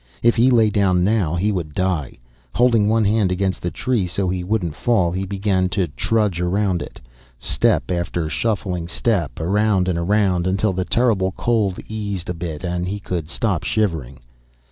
If he lay down now, he would die. Holding one hand against the tree so he wouldn't fall, he began to trudge around it. Step after shuffling step, around and around, until the terrible cold eased a bit and he could stop shivering.